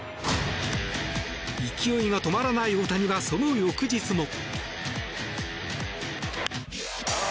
勢いが止まらない大谷はその翌日も。